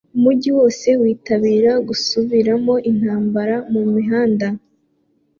Umujyi wose witabira gusubiramo intambara mumihanda